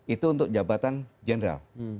itu untuk jabatan jeneral